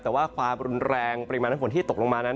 แต่ว่าความรุนแรงปริมาณฝนที่ตกลงมานั้น